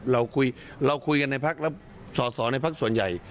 เราคุยกันในภักดิ์แล้วส่อในภักดิ์ส่วนใหญ่